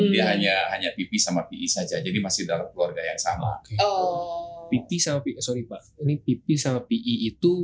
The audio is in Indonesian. dia hanya pp sama pi saja jadi masih dari keluarga yang sama oh pp sama pi sorry pak ini pp sama pi itu